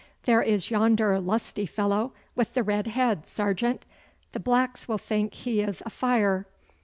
There is yonder lusty fellow with the red head, sergeant! The blacks will think he is a fire.